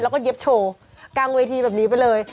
แล้วก็เย็บโชว์กลางเวทีแบบนี้ไปเลย